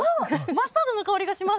マスタードの香りがします。